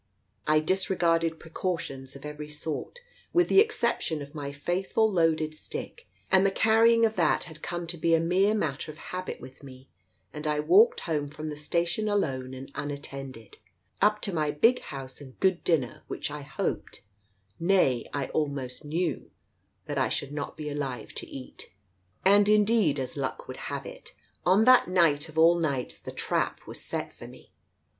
I disregarded precautions of every sort — with the exception of my faithful loaded stick, and the carrying of that had come to be a mere matter of habit with me — and I walked home from the station alone and unattended, up to my big house and good dinner which I hoped — nay, I almost knew — that I should not be alive to eat; And indeed, as luck would have it, on that night of all nights the trap was set for me.